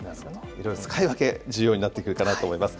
いろいろ使い分け、重要になってくるかなと思います。